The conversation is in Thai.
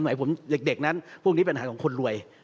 สมัยผมเด็กนั้นพวกนี้เป็นอาหารของคนรวย